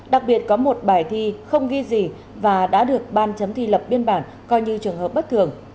đặc biệt có một bài thi không ghi gì và đã được ban chấm thi lập biên bản coi như trường hợp bất thường